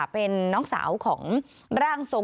เป็นน้องเศร้าของร่างทรง